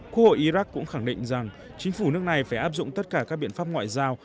quốc hội iraq cũng khẳng định rằng chính phủ nước này phải áp dụng tất cả các biện pháp ngoại giao